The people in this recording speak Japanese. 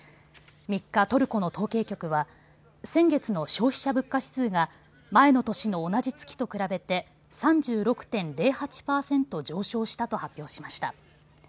３日、トルコの統計局は先月の消費者物価指数が前の年の同じ月と比べて３６．０８％上昇したと発表しました。